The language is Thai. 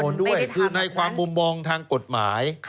ด้วยคือในความมุมมองทางกฎหมาย